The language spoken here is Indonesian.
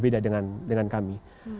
beda dengan kami